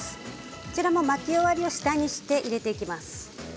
こちらも巻き終わりを下にして入れていきます。